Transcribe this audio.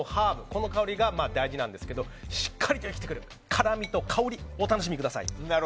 この香りが大事なんですがしっかりと生きていくる辛みと香りお楽しみください。